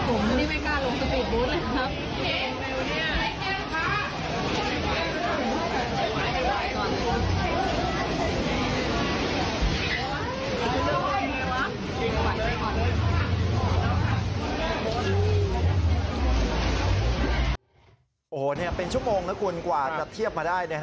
โอ้โหนี่เป็นชั่วโมงนะคุณกว่าจะเทียบมาได้เนี่ย